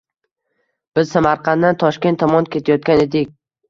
biz Samarqanddan Toshkent tomon ketayotgan edik.